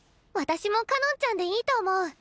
私もかのんちゃんでいいと思う。